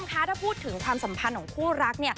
คะถ้าพูดถึงความสัมพันธ์ของคู่รัก